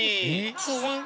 自然。